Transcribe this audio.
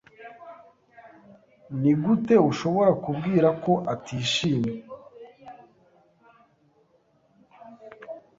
Nigute ushobora kubwira ko atishimye?